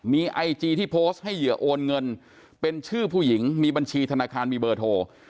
มีไอจีที่โพสต์ให้เหยื่อโอนเงินเป็นชื่อผู้หญิงมีบัญชีธนาคารมีเบอร์โทร